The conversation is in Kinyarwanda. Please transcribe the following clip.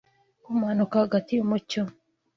Kumanuka hagati yumucyo